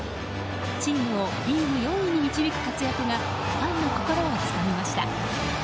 チームをリーグ４位に導く活躍がファンの心をつかみました。